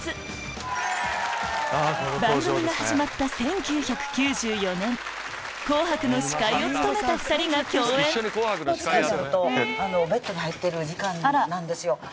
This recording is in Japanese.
番組が始まった１９９４年『紅白』の司会を務めた２人が共演その時間になるとベッドに入ってる時間なんですよ。